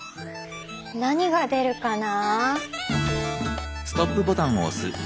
何が出るかな。